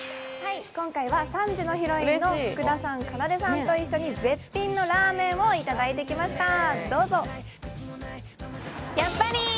今回は３時のヒロインの福田さんかなでさんと一緒に絶品のラーメンをいただいてきました、どうぞ。